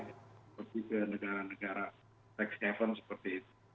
seperti negara negara tech tujuh seperti itu